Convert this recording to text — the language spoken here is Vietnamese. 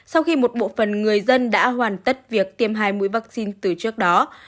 sau khi một bộ phần người dân đã hoàn tất việc tiêm hai mũi vaccine từ trước đó